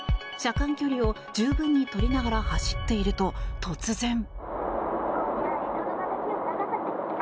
車間距離を十分に取りながら走っていると、突然。